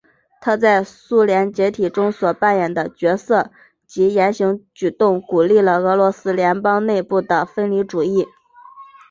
他在苏联解体中所扮演的角色及言行举动鼓励了俄罗斯联邦内部的分离主义。